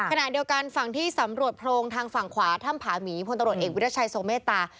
ขณะเดียวกันฝั่งที่สำรวจโพรงทางฝั่งขวาถ้ำผาหมีพลตำรวจเอกวิรัชัยทรงเมตตา